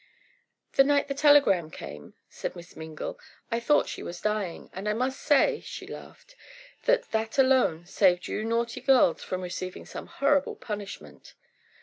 "The night the telegram came," said Miss Mingle, "I thought she was dying, and I must say," she laughed, "that that alone saved you naughty girls from receiving some horrible punishment."